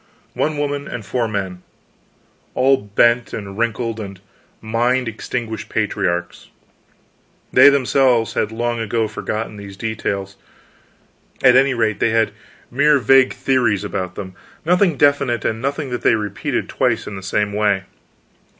One woman and four men all bent, and wrinkled, and mind extinguished patriarchs. They themselves had long ago forgotten these details; at any rate they had mere vague theories about them, nothing definite and nothing that they repeated twice in the same way.